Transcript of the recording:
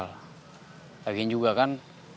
lagian juga kan